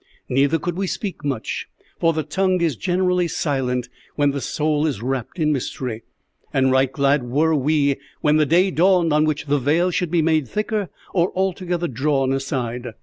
Neither could we speak much, for the tongue is generally silent when the soul is wrapped in mystery; and right glad were we when the day dawned on which the veil should be made thicker or altogether drawn aside.